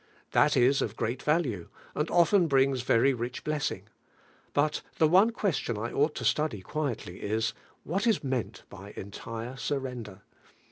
That is of great value, and often brings very rich bles sing. But the one question T ought to study quietly is: What is meant by en tire Bartender?